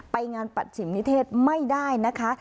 ไปงานปัจฉิมนิเทศไม่ได้นะคะ